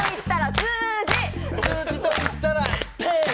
数字といったらテン。